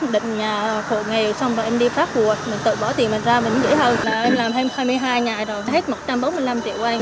định nhà khổ nghèo xong rồi em đi phát buộc mình tự bỏ tiền mình ra mình nghĩ hơn là em làm hai mươi hai ngày rồi hết một trăm bốn mươi năm triệu anh